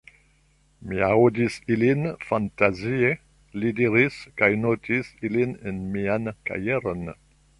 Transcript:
Mi aŭdis ilin fantazie, li diris, kaj notis ilin en mian kajeron.